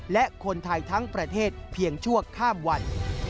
และคนไทยทั้งประเทศเพียงชั่วข้ามวัน